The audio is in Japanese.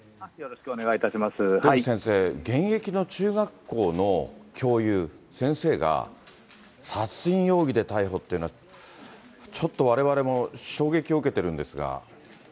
出口先生、現役の中学校の教諭、先生が、殺人容疑で逮捕っていうのは、ちょっとわれわれも衝撃を受けてるんですが。